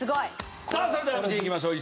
さあそれでは見ていきましょう。